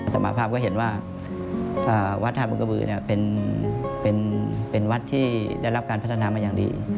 สมาภาพก็เห็นว่าวัดธาตุบังกระบือเป็นวัดที่ได้รับการพัฒนามาอย่างดี